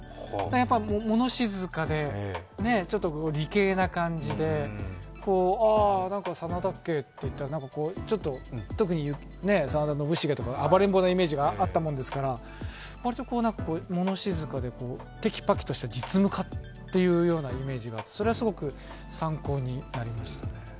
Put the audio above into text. やっぱり物静かで、理系な感じで真田家といったらちょっと特に真田信繁とか暴れん坊なイメージがあったものですから、わりと物静かで、テキパキとした実務家というイメージがあってそれはすごく参考になりましたね。